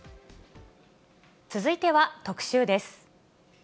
続いては特集です。